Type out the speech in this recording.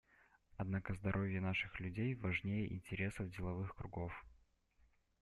Однако здоровье наших людей важнее интересов деловых кругов.